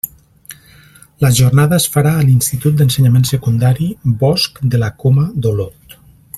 La jornada es farà a l'Institut d'Ensenyament Secundari Bosc de la Coma d'Olot.